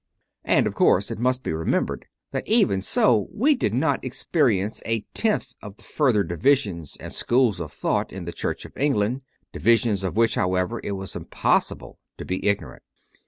And, of course, it must be remembered that even so we did not experience a tenth of the further divisions and schools of thought in the Church of England divisions of which, however, it was impossible to be ignorant.